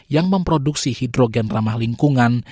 yang memproduksi hidrogen ramah lingkungan